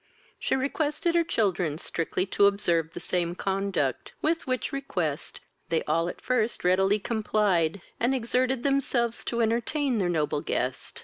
She requested her children strictly to observe the same conduct, with which request they all at first readily complied, and exerted themselves to entertain their noble guest.